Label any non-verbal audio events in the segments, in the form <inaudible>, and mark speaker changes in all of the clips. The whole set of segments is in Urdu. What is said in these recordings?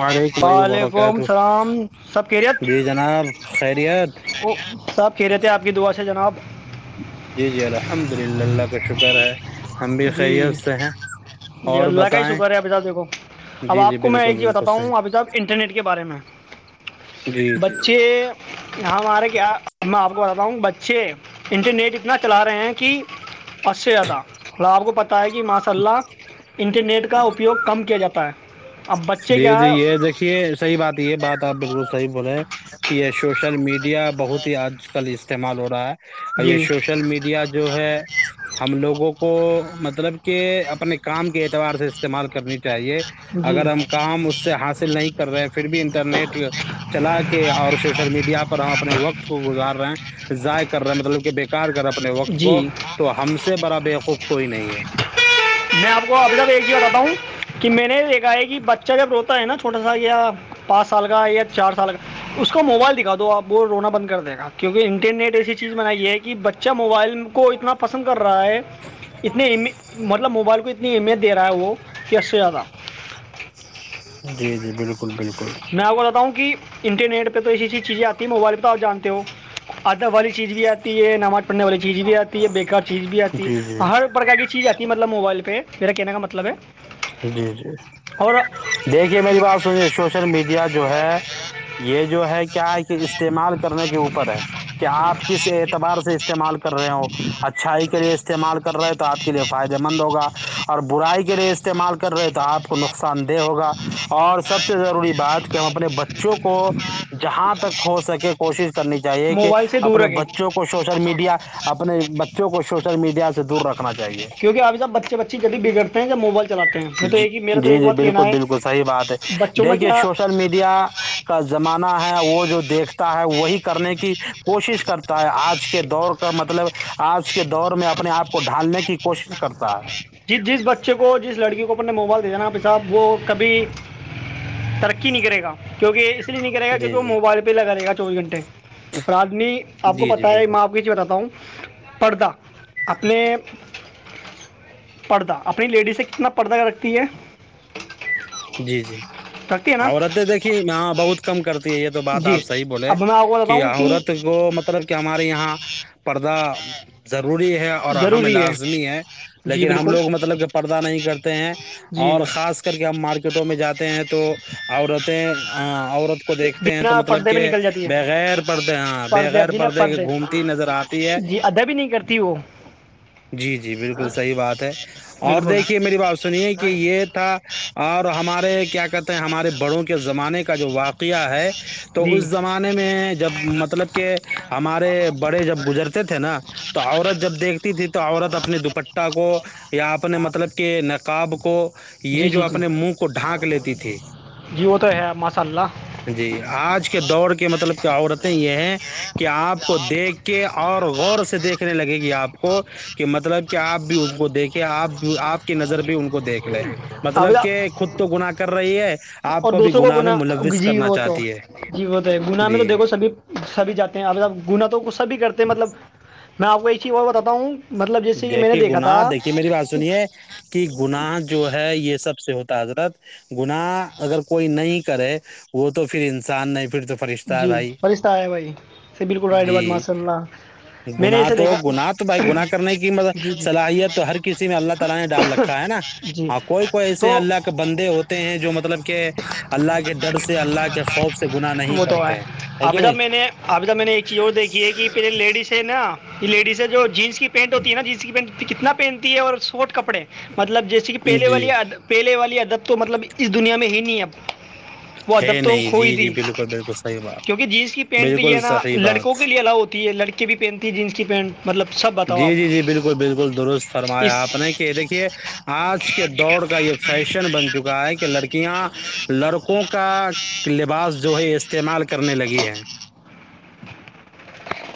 Speaker 1: وعلیکم اللہ
Speaker 2: وعلیکم
Speaker 1: وبرکاتہ
Speaker 2: اللام سب کیریت
Speaker 1: جی جناب خیریت
Speaker 2: وہ سب کیریت ہے آپ کی دعا سے ہے جناب
Speaker 1: جی جی الحمد للہ اللہ کا شکر ہے ہم بھی
Speaker 2: جی
Speaker 1: خیریت سے ہیں
Speaker 2: جی
Speaker 1: اور
Speaker 2: اللہ کا ہی
Speaker 1: بتائیں
Speaker 2: شکر ہے ابھی صاحب دیکھو اب
Speaker 1: جی جی
Speaker 2: آپ کو میں
Speaker 1: بالکل
Speaker 2: ایک چیز
Speaker 1: بالکل
Speaker 2: بتاتا ہوں
Speaker 1: صحیح
Speaker 2: ابھی تک انٹرنیٹ کے بارے میں
Speaker 1: جی جی
Speaker 2: بچے <inaudible> ن ہمارے کیا ہم آپ <inaudible> با ہوں بچے انٹرنیٹ اتنا چلا رہے ہیں کہ <inaudible> ا سے ادا آپ کو پتہ ہے کہ ماشاء اللہ <inaudible> انٹرنیٹ کا اپیوگ کم کیا جاتا ہے <inaudible> ابچ <inaudible>
Speaker 1: جی جی یہ دیکھیے صحیح بات یہ بات آپ بالکل صحیح بول رہے ہیں کہ یہ سوشل میڈیا بہت ہی آج کل استعمال ہو رہا ہے یہ
Speaker 2: جی
Speaker 1: سوشل میڈیا جو ہے ہم لوگوں کو مطلب کہ اپنے کام کے اعتبار سے استعمال کرنی چاہیے <inaudible>
Speaker 2: جی
Speaker 1: اگر ہم کام <inaudible> ہم اس سے حاصل نہیں کر رہے پھر بھی انٹرنیٹ چلا کے اور سوشل میڈیا پر ہم اپنے وقت کو گزار رہے ہیں ضائع کر رہے مطلب کہ بیکار کر رہے اپنے وقت کو
Speaker 2: جی
Speaker 1: تو ہم سے بڑا بیقوف کوئی نہیں ہے <inaudible>
Speaker 2: میں آپ کو ابھی تک ایک چیز بتاتا ہوں کہ میں نے دیکھا ہے کہ بچہ جب روتا ہے نا چھوٹا سا یا پانچ سال کا یا چار سال کا اس کو موبائل دکھا دو آپ وہ رونا بند کر دے گا کیونکہ انٹرنیٹ ایسی چیز بنائی ہے کہ بچہ موبائل کو اتنا پسند کر <inaudible> رہا ہے اتنے مطلب موبائل کو اتنے <inaudible> کتنی ا میںت د رہا ہے وہ کیسے زیادہ
Speaker 1: جی جی بالکل
Speaker 2: میں آپ کو بتاؤوں کہ انٹرنیٹ پہ تو ایسی ایسی چیزیں آتی ہے موبائل پہ آپ جانتے ہو ادب والی چیز بھی آتی ہے نماز پڑھنے والی چیز بھی آتی ہے بےیکار چیز بھی آتی
Speaker 1: جی جی
Speaker 2: ہے ہر پرکار کی چیز آتی ہے مطلب مطلب موبائل پہ میرا کہنے کا مطلب ہے <unintelligible>
Speaker 1: جی جی
Speaker 2: اور
Speaker 1: دیکھیے میری بات سنیے سوشل میڈیا جو ہے یہ جو ہے کیا کہ استعمال کرنے کے اوپر ہے کہ آپ کس اعتبار سے استعمال کر رہے ہو <inaudible> اچھائی کے لیے استعمال کر رہے تو آپ کے لیے فائدے مند ہوگا اور برائی کے لیے استعمال استعمال کر رہے تو آپ کو نقصان دہ ہوگا اور سب سے ضروری بات کہ ہم اپنے بچوں کو جہاں تک ہو سکے کوشش کرنی چاہے کہ
Speaker 2: موبائل سے دور
Speaker 1: اپنے
Speaker 2: رکھیں
Speaker 1: بچوں کو شوشل میڈیا اپنے بچوں کو شوش <unintelligible> سل میڈیا سے دور رکھا <inaudible>
Speaker 2: کیونک آپ جب بچے بچے جب بگڑتے ہیں کہ موبائل چلاتے ہیں میں تو
Speaker 1: جی
Speaker 2: ایک ہی میرا تو
Speaker 1: جی
Speaker 2: ایک
Speaker 1: جی
Speaker 2: بات کہنا
Speaker 1: بالکل
Speaker 2: ہے
Speaker 1: بالکل صحیح بات ہے
Speaker 2: بچوں میں
Speaker 1: دیکھیے
Speaker 2: کیا
Speaker 1: سوشل میڈیا کا زمان <inaudible> مانا ہے وہ جو دیکھتا ہے وہی کرنے کی کوشش کرتا ہے آج کے دور کا مطلب آج کے دور میں اپنے آپ کو ڈھالنے کی کوشش کرتا ہے
Speaker 2: نے موبائل دے دابھی صاحب وہ کبھی ترقی نہیں کرے گا کیونکہ اس <inaudible> نہیں کرے
Speaker 1: جی
Speaker 2: گاونک وہ
Speaker 1: جی
Speaker 2: موبائل پہ لگے گا <inaudible> چوبی گھٹے <inaudible> رجنی آپ کو
Speaker 1: جی جی
Speaker 2: پتا ہے میں
Speaker 1: بالکل
Speaker 2: آپ کے چ بتاتا ہوں پرڑدہ اپنے <inaudible> پردہ اپنی لیڈی سے کتنا پردہ رکھتی ہے <inaudible>
Speaker 1: جی جی
Speaker 2: رکھتی ہے
Speaker 1: <inaudible>
Speaker 2: نا
Speaker 1: اور رہتے دیکھیے ہ بہت کم کرتا <unintelligible> یہ تو بات
Speaker 2: جی
Speaker 1: آپ صحیح بولے
Speaker 2: اب میں آپ کو
Speaker 1: کہ
Speaker 2: بتاؤں
Speaker 1: عورت کو مطلب کہ ہمارے یہاں پردہ <unintelligible> جب <unintelligible> وری ہے اور ہم لازمی ہے
Speaker 2: جی
Speaker 1: لیکن ہم
Speaker 2: بالکل
Speaker 1: لوگ مطلب کہ پردہ نہیں کرتے ہیں
Speaker 2: جی
Speaker 1: اور خاص کر کے ہم مارکیٹ <unintelligible> ٹو میں <unintelligible> جاتے ہیں تو عورتیں <unintelligible> عورت کو دیکھتے ہیں تو
Speaker 2: بنا
Speaker 1: مطلب
Speaker 2: پردے میں
Speaker 1: کہ
Speaker 2: نکل جاتی ہے
Speaker 1: بغیر پردے ہاں بغیر پردے کے گھومتی نظر آتی ہے
Speaker 2: جی ادا بھی نہیں کرتی وہ
Speaker 1: جی جی بالکل صحیح بات ہے اور
Speaker 2: بالکل
Speaker 1: دیکھیے میری بات سنیے کہ یہ تھا آپ <unintelligible> ہمارے کیا کہتے ہیں <unintelligible> ہمارے بڑوں کے زمانے کا جو واقعہ ہے <unintelligible> تو
Speaker 2: جی
Speaker 1: اس زمانے میں جب مطلب کہ ہمارے بڑے جب گزرتے تھے نا تو عورت جب دیکھتی تھی تو عورت اپنے دوپٹہ کو یا اپنے مطلب کہ نقاب کو <unintelligible> یہ
Speaker 2: جی
Speaker 1: جو
Speaker 2: جی جی
Speaker 1: اپنے منہ کو ڈھانک لیتی تھی
Speaker 2: جی وہ تو ہے ماشاء اللہ
Speaker 1: جی آج کے دور کے مطلب کیا عورتیں یہ ہیں کہ آپ کو دیکھ کے اور غور سے دیکھنے لگے گ آپ کو کہ مطلب کہ آپ بھی اس کو دیکھیں آپ آپ کی نظر بھی ان کو دیکھ لے
Speaker 2: اب
Speaker 1: مطلب کہ خود تو گناہ کر رہی ہے آپ
Speaker 2: اور
Speaker 1: بھی
Speaker 2: دوسروں کو
Speaker 1: گناہ میں
Speaker 2: گنا
Speaker 1: ملوث
Speaker 2: جی
Speaker 1: کرنا
Speaker 2: تو
Speaker 1: چاہتی ہے
Speaker 2: جی ہے گنا میں
Speaker 1: جی
Speaker 2: تو دیکھو سبھی سبھی جاتے ہیں اب گنا تو سبھی کرتے تو مطلب میں آپ کو یہ چیز باتا ہوں مطلب جیسے کہ میں نے
Speaker 1: دیکھیے
Speaker 2: دیکھا تھا
Speaker 1: گناہ دیکھیے میری بات
Speaker 2: کہ
Speaker 1: سنیے کہ گناہ جو ہے یہ سب سے ہوتا حضرت گناہ اگر کوئی نہیں کرے وہ تو پھر انسان نہیں پھر تو فرشتہ ہے
Speaker 2: جی
Speaker 1: بھائی
Speaker 2: فرشتہ آیا بھائی بالکل رباد
Speaker 1: جی
Speaker 2: ماشاء اللہ میں نے
Speaker 1: گناہ
Speaker 2: اسے
Speaker 1: تو
Speaker 2: دیکھا
Speaker 1: گناہ تو بھائی گناہ کی ملب
Speaker 2: جی
Speaker 1: صلاحیت ہر کسی میں اللہ تعالی نے ڈال رکھا ہے نا
Speaker 2: جی جی
Speaker 1: ہاں کوئی کوئی ایسے
Speaker 2: تو
Speaker 1: اللہ کے بندے ہوتے ہیں جو مطلب کہ اللہ کے ڈر سے اللہ کے خوف سے گناہ نہیں
Speaker 2: وہ تو ہے
Speaker 1: کرتے ہیں ہے
Speaker 2: اب
Speaker 1: کہ
Speaker 2: جب میں
Speaker 1: نہیں
Speaker 2: نے اب جب میں نے ایک چیز اور دیکھی ہے کہ پے لیڈیز ہے نا لیڈیز ہے جو جینس پینٹ ہوتی ہے نا جس کی پینٹ تو کتنا پہنتی ہے اور سوٹ کپڑے مطلب جیسے کہ پہلے
Speaker 1: جی
Speaker 2: والی پہل والی تو مطلب اس دنیا میں ہی نہیں اب وہ
Speaker 1: ہے
Speaker 2: ادب تو
Speaker 1: نہیں
Speaker 2: کھوئی
Speaker 1: جی جی
Speaker 2: تھی
Speaker 1: بالکل بالکل صحیح بات
Speaker 2: کیونکہ جینس کی پینٹ یہ ہے
Speaker 1: بالکل
Speaker 2: نا
Speaker 1: صحیح
Speaker 2: لڑکوں
Speaker 1: بات
Speaker 2: کے لیے الاؤ ہوتی ہے لڑکے بھی پہنتی ہے جینس کی پینٹ مطلب سب بتاؤ
Speaker 1: جی جی
Speaker 2: آپ
Speaker 1: جی بالکل بالکل درست فرمایا
Speaker 2: اس
Speaker 1: آپ نے کہ دیکھیے آج کے دور کا یہ فیشن بن چکا ہے کہ لڑکیاں لڑکوں کا لباس جو ہے استعمال کرنے لگی ہے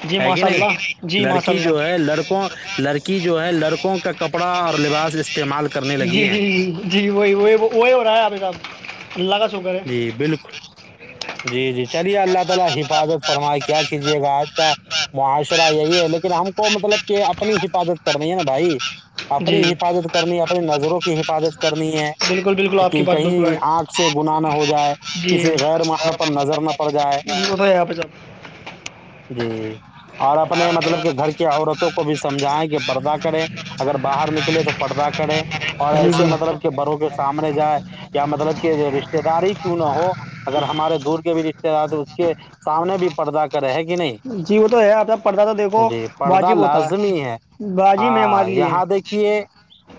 Speaker 2: جی
Speaker 1: ہے کہ
Speaker 2: ماشاء
Speaker 1: نہیں
Speaker 2: اللہ جی ماشاء
Speaker 1: لڑکی جو ہے
Speaker 2: اللہ
Speaker 1: لڑکوں لڑکی جو ہے لڑکوں کا کپڑا اور لباس استعمال کرنے لگی
Speaker 2: جی جی
Speaker 1: ہے
Speaker 2: جی جی وہی وہی وہی ہو رہا ہے ابھی صاحب اللہ کا شکر ہے
Speaker 1: جی بالکل جی جی چلیے اللہ تعالی حفاظت فرما کیا کیجیے گا آج کا معاشرہ یہی ہے لیکن ہم کو مطلب کہ اپنی حفاظت کرنی ہے نا بھائی
Speaker 2: جی
Speaker 1: اپنی حفاظت کرنی اپنی نظروں حفاظت کرنی ہے
Speaker 2: بالکل بالکل آپ کی
Speaker 1: کہ
Speaker 2: بات بالکل
Speaker 1: کہیں
Speaker 2: ہے
Speaker 1: آٹ سے نہ ہو جائے
Speaker 2: جی
Speaker 1: کسی غیر محر پر نظر نہ پڑ جائے
Speaker 2: وہ تو ہے آپ صاحب
Speaker 1: جی اور اپنے مطلب کہ گھر کی عورتوں کو بھی سمجھائیں کہ پردہ کرے اگر باہر نکلے تو پردہ کرے اور
Speaker 2: جی
Speaker 1: ایسے مطلب
Speaker 2: جی
Speaker 1: کہ بڑوں کے سامنے جائے یا مطلب کہ ر رشتے داری کیوں نہ ہو اگر ہمارے دور کے بھی رشتے دار تو اس کے سامنے بھی پردہ کرے گ
Speaker 2: جی وہ تو ہے اب جب پڑھتا تو دیکھو
Speaker 1: جی پردہ
Speaker 2: واجب ہوتا
Speaker 1: لازمی
Speaker 2: ہے واجب ہے
Speaker 1: ہاں
Speaker 2: ہمارے لیے
Speaker 1: یہاں دیکھیے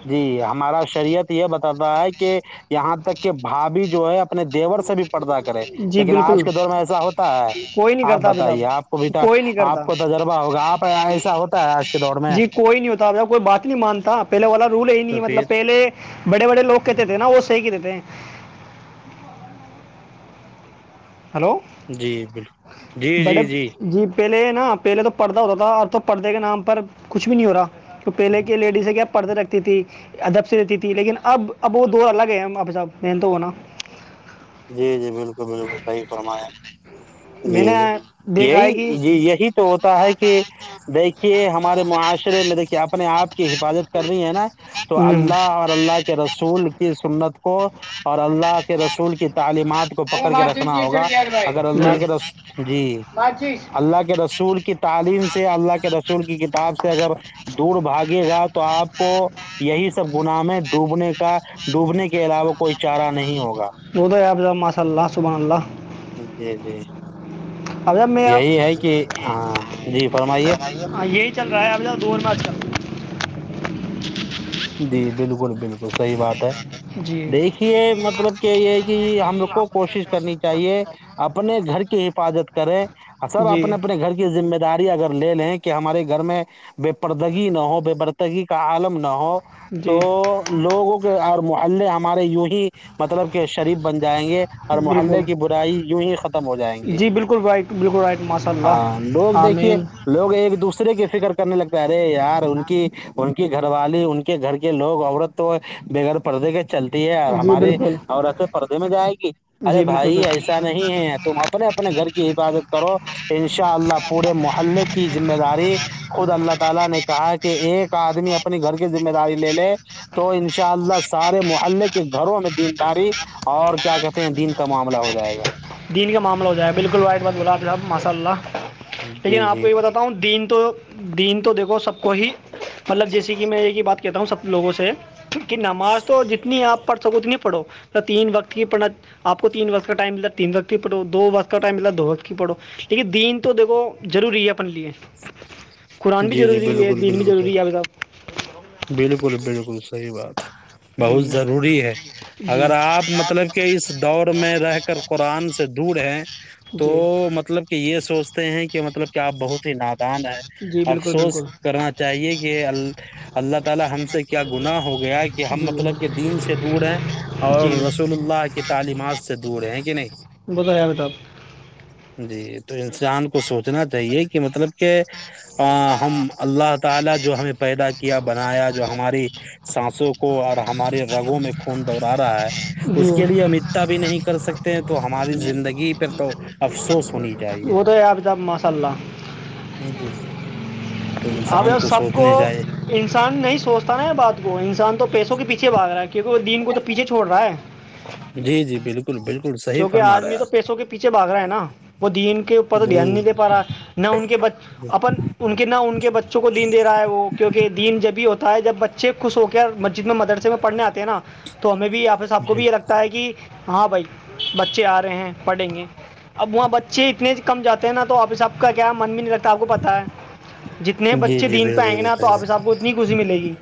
Speaker 1: جی ہمارا شریعت یہ بتاتا ہے کہ یہاں تک کہ بھاابھی جو ہے اپنے دیور سے بھی پردہ کرے
Speaker 2: جی
Speaker 1: لیکن آج
Speaker 2: بالکل
Speaker 1: کے دور میں ایسا ہوتا ہے
Speaker 2: کوئی نہیں
Speaker 1: آپ
Speaker 2: کرتاب
Speaker 1: بتائیے آپ کو بھی
Speaker 2: جب
Speaker 1: تا
Speaker 2: کوئی نہیں
Speaker 1: آپ
Speaker 2: کرتا
Speaker 1: کو تجربہ ہوگا آپ ایسا ہوتا ہے آج کے دور میں
Speaker 2: جی کوئی نہیں ہوتا کوئی بات نہیں مانتا پہلے والا رول ہے ہی نہیں
Speaker 1: تو پھر
Speaker 2: مطلب پہلے بڑے بڑے لوگ کہتے تھے نا وہ صحی کہتے تھے ے
Speaker 1: جی بالکل جی جی جی
Speaker 2: پہلے نا پہلے تو پرڑدہ ہوتا تھا اور تو پرھدے کے نام پر کچھ بھی نہیں ہو رہا تو پہلے کی لیڈیز ہے کیا پڑھتے رکھتی تھی ادب سےی رہتی تھی لیکن اب اب وہ دو الگ ہےپ صحب م تو ہوناا
Speaker 1: جی جی بالکل بالکل صحیح فرمایا
Speaker 2: میں نے
Speaker 1: جی
Speaker 2: دیکھا
Speaker 1: یہی
Speaker 2: ہے کہ
Speaker 1: یہی تو ہوتا ہے کہ دیکھیے ہم ہمارے معاشرے میرے کیا اپنے آپ حفاظت کر رہی ہے نا تو
Speaker 2: ہوں
Speaker 1: اللہ اور اللہ کے رسول سنت کو اور اللہ کے رسول تعلیمات کو پکڑ کے رکھنا ہوگا اگر
Speaker 2: جی
Speaker 1: اللہ کے رس جی اللہ کے رسول کی تعلیم سے اللہ کے ر کی کتاب سے اگر دور باگ گا تو آپ کو یہی سب گنامیں ڈوبنے کا ڈوبنے کے علاوہ کوئی چارہ نہیں ہوگا
Speaker 2: وہ تو آپ م صس اللہ سبح اللہ
Speaker 1: جی جی
Speaker 2: اب صاحب میں
Speaker 1: یہی ہے کہ ہاں جی فرمائیے
Speaker 2: ہاں یہی چل رہا ہے م دوور ماچل
Speaker 1: جی بالکل بالکل صحیح بات ہے
Speaker 2: جی
Speaker 1: دیکھیے مطلب کیا یہ ہے کہ ہم کو کوشش کرنی چاہیے اپنے گھر کے حفاظت کریں اور سب
Speaker 2: جی
Speaker 1: اپنے اپنے گھر کی ذمہ داری اگر لے لیں کہ ہمارے گھر میں بے پرردگی نہ ہو بے پرردگی کا عالم نہ ہو تو
Speaker 2: جی
Speaker 1: لوگوں کے آ محلے ہمارے یوہی مطلب کہ شریف بن جائیں گے اور
Speaker 2: بالکل
Speaker 1: محلے کی برائی یوں ہی ختم ہو جائیں گی
Speaker 2: جی بالکل رائٹ بالکل رائٹ ماشاء
Speaker 1: ہاں لوگ
Speaker 2: اللہ
Speaker 1: دیکھیے
Speaker 2: آمین
Speaker 1: لوگ ایک دوسرے کی فکر کرنے لگتا ہے یار ان کی ان کی کے گھر والے ان کے گھر کے لوگ عورت تو بغیر پردے کے
Speaker 2: جی بالکل
Speaker 1: ہمارا پردے میں چلے گی ارے
Speaker 2: جی بالکل
Speaker 1: بھائی
Speaker 2: بالکل
Speaker 1: تم اپنے محلے کی حفاظت کرو اللہ تعالی نے کہا ہے اپنی گھر کے <inaudible> داری لے تو ان شاء اللہ سارے محلے کے گھروں میں دینداری اور کیا کہتے ہیں دین کا معاملہ ہو جائے گا
Speaker 2: دین کا معاملہ ہو جائے بالکل وائٹ بات بلاب صاحب <inaudible> مساللہ <inaudible> لیکن
Speaker 1: جی
Speaker 2: آپ کو
Speaker 1: جی
Speaker 2: یہ بتاتا ہوں دین تو دین تو دیکھو سب کو ہی مطلب جیسے کہ میں یہ کہ بات تا ہوں سب لوگوں سے کہ نماز تو جتنی آپ پڑھ سکو اتنی پڑھو نہ تین وقت پڑھنا آپ کو تین وقت کا ٹائم متا تین وقت کی پڑھو دو وقت کا ٹائم ملتا دو وقت کی پڑھو لیکن دین تو دیکھو ضروری ہے اپن لیے قرآن بھی
Speaker 1: جی جی
Speaker 2: ضروری ہے
Speaker 1: بالکل
Speaker 2: دین بھی
Speaker 1: بالکل صحیح
Speaker 2: ضروری ہے آپ صاحب
Speaker 1: بالکل بالکل صحیح بات بہت
Speaker 2: جی
Speaker 1: ضروری ہے اگر
Speaker 2: جی
Speaker 1: آپ مطلب کہ اس دور میں رہ کر قرآن سے دور ہیں تو
Speaker 2: جی
Speaker 1: مطلب کہ یہ سوچتے ہیں کہ مطلب کیا آپ بہت ہی ناپ دان ہے
Speaker 2: جی بالکل بالکل جی جی وہ تو ہے صاحب
Speaker 1: <inaudible> جی تو انسان کو سوچ سوچنا چاہیے کہ مطلب کہ ہم اللہ م تعالعیہ جو ہمیں پیدا کیا بنایا جو ہماری سانسوں کو اور ہمارے رگوں میں خون دوہرا رہا ہے اس کے لیے
Speaker 2: جی
Speaker 1: ام اتتا بھی نہیں کر سکتے ہیں تو ہماری زندگی پہ تو افسوس ہونی چاہیے
Speaker 2: وہ تو ہے آفتاب ماشاء
Speaker 1: جی جی تو
Speaker 2: اب
Speaker 1: انسان
Speaker 2: ار سب کو
Speaker 1: سوچنے چاہیے
Speaker 2: انسان نہیں سوچتا نا بات کو انسان تو پیسوں کے پیچے بھا رہ ہے کیا کیونکہ وہ دین کو تو پیچھے چھوڑ رہا ہے
Speaker 1: جی جی بالکل بالکل صحیح
Speaker 2: کیونکہ
Speaker 1: فرما رہے
Speaker 2: آدمی تو
Speaker 1: آپ
Speaker 2: پیسوں کے پیچھے بھگ رہا ہے نا وہ دین کے اوپر تو دھیان
Speaker 1: جی
Speaker 2: نہیں دے پا رہا نہ ان کے
Speaker 1: جی
Speaker 2: اپن ان کے نہ ان کے بچوں کو دین دے رہا ہے وہ کیونکہ دین جب بھی ہوتا ت جب بچے خوش ہو کے مسجد میں مدرسے میں پڑھنے آتے ہیں نا تو ہمیں بھی آیا پھر س آب کو بھی یہ لگتا ہے کہ ہاں بھائی بچے آ رہے ہیں پڑھیں گے اب وہاں بچے اتنے کم جاتے ہیں نا تو آپس آپ کا کیا من بھی نہیں لگتا آپ کو پتا ہے جتنے
Speaker 1: جی
Speaker 2: بچے
Speaker 1: جی
Speaker 2: دین پہ
Speaker 1: بالکل
Speaker 2: آئیں گے
Speaker 1: بالکل
Speaker 2: نا تو
Speaker 1: صحیح
Speaker 2: آپ حس آب کو اتنی خوشی ملے گی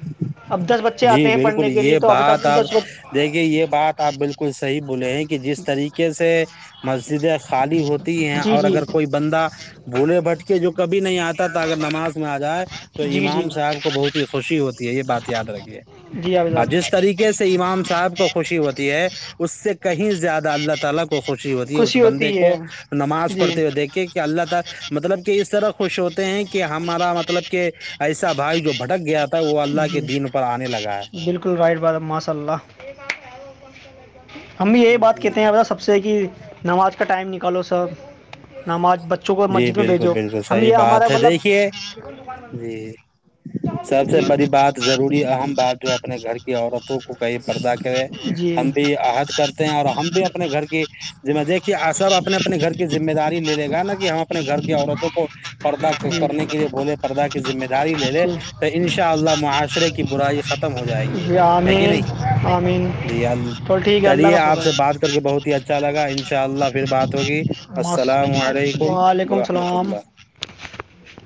Speaker 2: اب دس بچے
Speaker 1: جی
Speaker 2: آتے ہیں
Speaker 1: بالکل
Speaker 2: پڑھنے کے لیے
Speaker 1: یہ
Speaker 2: تو حافظ صاحب
Speaker 1: بات
Speaker 2: ان
Speaker 1: آپ
Speaker 2: دس بچ-
Speaker 1: دیکھیے یہ بات آپ بالکل صحیح بولے ہیں کہ جس طریقے سے مسجدیں خالی ہوتی ہیں
Speaker 2: جی
Speaker 1: اور
Speaker 2: جی
Speaker 1: اگر کوئی بندہ بھولے بھٹ کے جو کہ کبھی نہیں آتا تھا اگر نماز میں آ جائے تو
Speaker 2: جی جی
Speaker 1: امام صاحب کو بہت ہی خوشی ہوتی ہے یہ بات
Speaker 2: جی حافظ صاحب خوشی ہوتی ہے جی
Speaker 1: <inaudible> اس طرح خوش ہوتے ہیں کہ ہمارا مطلب کہ ایسا بھائی جو بھٹک گیا وہ اللہ کے دین پر آنے لگا ہے
Speaker 2: بالکل رائٹ بات ماشاء اللہ ہم بھی یہی بات
Speaker 1: جی
Speaker 2: کہتے ہیں سب سے کہ نماز کا ٹائم نکالو سب نماز بچوں کو
Speaker 1: جی
Speaker 2: مسجد میں
Speaker 1: بالکل
Speaker 2: بھیجو
Speaker 1: بالکل
Speaker 2: ہم
Speaker 1: صحیح
Speaker 2: یہ ہمارا
Speaker 1: بات ہے دیکھیے
Speaker 2: مطلب
Speaker 1: جی سب سے
Speaker 2: جی
Speaker 1: بڑی بات ضروری آ بار جو اپنے گھر کی عورتوں کو کہیں پردہ کرے
Speaker 2: جی
Speaker 1: ہم بھی عحد کرتے ہیں اور ہم بھی اپنے گھر کی جی مج کہ ساب اپنے اپنے گھر کے ذمہ داری لے گا نا کہ کہ ہم اپنے گھر کی عورتوں کو پردہ
Speaker 2: جی
Speaker 1: کرنے کے لیے بولے پردہ کی ذمہ داری لے لے
Speaker 2: جی
Speaker 1: تو ان شاء اللہ معاشرے کی برائی ختم ہو جائیں گی
Speaker 2: جی
Speaker 1: ہے کہ
Speaker 2: آمین
Speaker 1: نہیں
Speaker 2: آمین
Speaker 1: جی ال
Speaker 2: تو ٹھیک ہے اللہ
Speaker 1: چلیے
Speaker 2: کا
Speaker 1: آپ سے
Speaker 2: شکر
Speaker 1: بات کر کے بہت ہی اچ اچھا لگا ان شاء اللہ پھر بات ہوگی
Speaker 2: مست
Speaker 1: السلام علیکم ورحمۃ اللہ
Speaker 2: <inaudible>